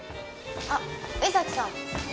あっ江崎さん。